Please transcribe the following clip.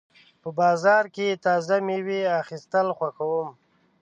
په بازار کې تازه مېوې اخیستل خوښوم.